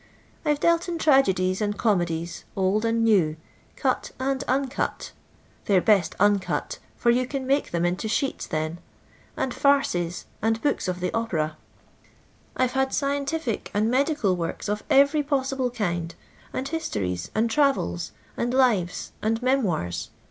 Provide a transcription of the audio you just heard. I 've dealt in tragi>die8 and comedies, old and new, cut and uncut — they 're best uncut, for you can make them into sheets then — and farces, and books of the opera. I 've had scientific and medical works of every possible kind, and histories, and travels, and lives, and memoirs.